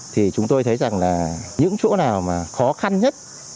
thì chúng tôi thấy rằng là những chỗ nào mà khó khăn nhất